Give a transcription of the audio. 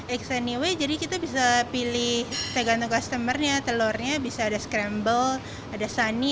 ex anyway jadi kita bisa pilih tergantung customer nya telurnya bisa ada scramble ada sunny